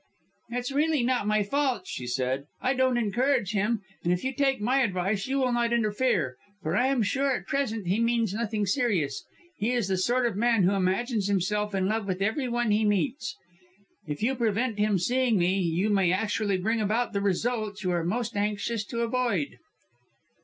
"It is really not my fault," she said. "I don't encourage him, and if you take my advice, you will not interfere, for I am sure at present he means nothing serious. He is the sort of man who imagines himself in love with every one he meets. If you prevent him seeing me, you may actually bring about the result you are most anxious to avoid."